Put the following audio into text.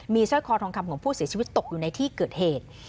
สร้อยคอทองคำของผู้เสียชีวิตตกอยู่ในที่เกิดเหตุ